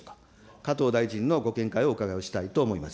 加藤大臣のご見解をお伺いをしたいと思います。